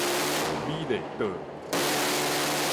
美麗島